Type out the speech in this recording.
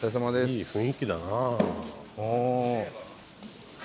いい雰囲気だな。